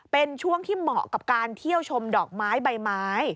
เป็นช่วงที่เหมาะกับการเที่ยวชมดอกไม้ใบไม้